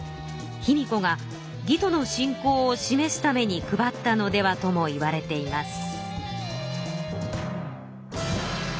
卑弥呼が魏との親交を示すために配ったのではともいわれています。